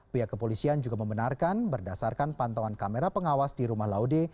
pihak kepolisian juga membenarkan berdasarkan pantauan kamera pengawas di rumah laude